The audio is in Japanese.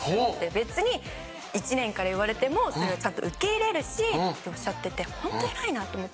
別に１年から言われてもそれはちゃんと受け入れるしっておっしゃっててホント偉いなと思って。